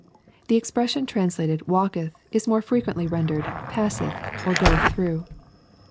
] The expression translated "walketh," is more frequently rendered, "passeth, or goeth through."